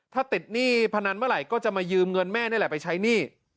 ถ้าติดหนี้พนันเมื่อไหร่ก็จะมายืมเงินแม่นี่แหละไปใช้หนี้